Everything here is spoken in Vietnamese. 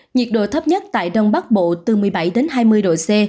nhiệt độ thấp nhất tại đông bắc bộ từ một mươi bảy đến hai mươi độ c